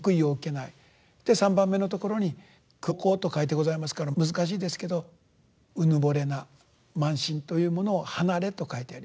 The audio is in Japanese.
で三番目のところに「貢高」と書いてございますから難しいですけどうぬぼれな慢心というものを離れと書いてる。